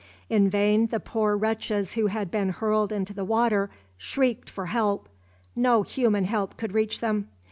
In vain the poor wretches who had been hurled into the water shrieked for help. No human help could reach them!